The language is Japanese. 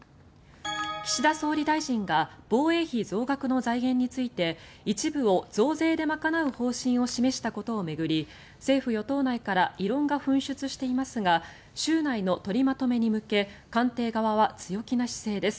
岸田総理大臣が防衛費増額の財源について一部を増税で賄う方針を示したことを巡り政府・与党内から異論が噴出していますが週内の取りまとめに向け官邸側は強気な姿勢です。